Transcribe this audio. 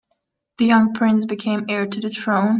The young prince became heir to the throne.